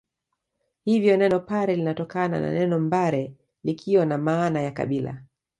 Hivyo neno Pare linatokana na neno mbare likiwa na maana ya kabila